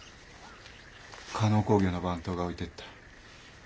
嘉納鉱業の番頭が置いてった。